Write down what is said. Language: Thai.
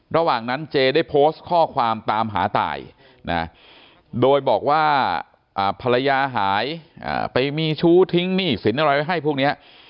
ระหว่างนั้นเจได้โพสต์ข้อความตามหาตายนะโดยบอกว่าภรรยาหายไปมีชู้ทิ้งหนี้สินอะไรไว้ให้พวกนี้